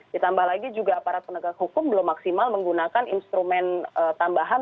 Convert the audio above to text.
ditambah lagi juga aparat penegak hukum belum maksimal menggunakan instrumen tambahan